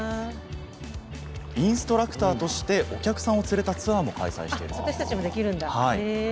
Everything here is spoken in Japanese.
インストラクターとしてお客さんを連れたツアーも開催しています。